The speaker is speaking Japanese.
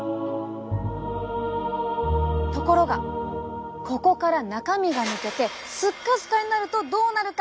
ところがここから中身が抜けてスッカスカになるとどうなるか？